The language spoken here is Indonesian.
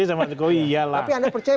sama jokowi iya tapi anda percaya